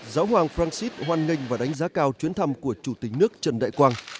giáo hoàng francis hoan nghênh và đánh giá cao chuyến thăm của chủ tịch nước trần đại quang